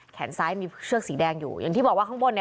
แขนซ้ายมีเชือกสีแดงอยู่อย่างที่บอกว่าข้างบนเนี่ย